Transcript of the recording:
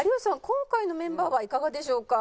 今回のメンバーはいかがでしょうか？